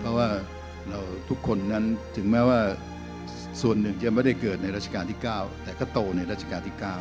เพราะว่าเราทุกคนนั้นถึงแม้ว่าส่วนหนึ่งจะไม่ได้เกิดในราชการที่๙แต่ก็โตในราชการที่๙